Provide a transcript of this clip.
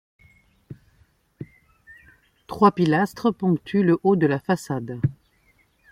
Trois pilastres ponctuent le haut de la façade.